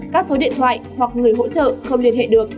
các số điện thoại hoặc người hỗ trợ không liên hệ được